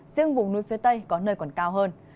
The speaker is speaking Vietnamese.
riêng vùng núi phía tây có nơi còn cao hơn